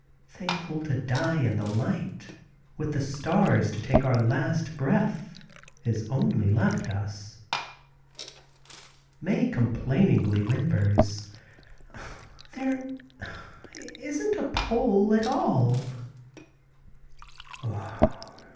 Thankful to die in the light, with the stars to take our last breath, is only left us. Mae complainingly whimpers: "There isn't a pole at all!"